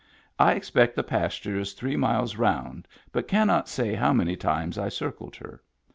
I expect the pasture is three miles round but can not say how many times I circled her.